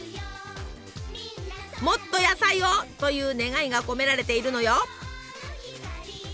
もっと野菜を！という願いが込められているのよ。